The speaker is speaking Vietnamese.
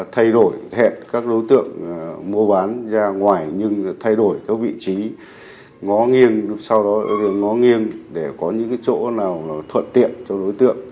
thay đổi hẹn các đối tượng mua bán ra ngoài nhưng thay đổi các vị trí ngó nghiêng sau đó ngó nghiêng để có những chỗ nào thuận tiện cho đối tượng